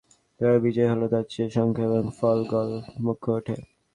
কীভাবে বিজয় হলো, তার চেয়ে সংখ্যা এবং ফলাফল মুখ্য হয়ে ওঠে।